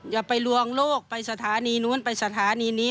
อย่าไปลวงโลกไปสถานีนู้นไปสถานีนี้